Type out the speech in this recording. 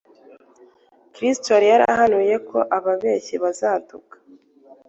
Kristo yari yarahanuye ko ababeshyi bazaduka